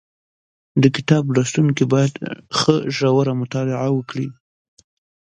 د کتاب لوستونکي باید ښه ژوره مطالعه وکړي